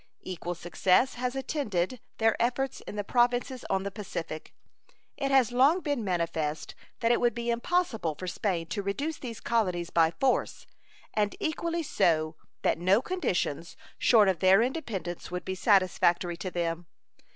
Equal success has attended their efforts in the Provinces on the Pacific. It has long been manifest that it would be impossible for Spain to reduce these colonies by force, and equally so that no conditions short of their independence would be satisfactory to them.